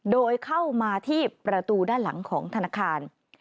โดยเข้ามาที่ประตูด้านหลังของธนาคาร